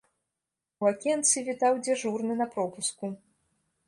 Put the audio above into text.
У акенцы вітаў дзяжурны на пропуску.